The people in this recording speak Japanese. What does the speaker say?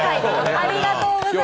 ありがとうございます。